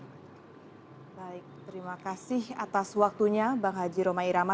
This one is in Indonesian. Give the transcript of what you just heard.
baik terima kasih atas waktunya bang haji romai rama